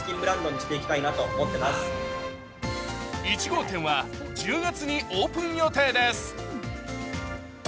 １号店は１０月にオープン予定です